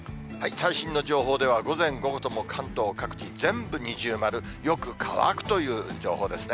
最新の情報では、午前、午後とも関東各地、全部二重丸、よく乾くという情報ですね。